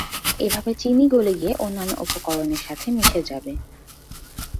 এভাবে চিনি গলে গিয়ে অন্যান্য উপকরণের সাথে মিশে যাবে।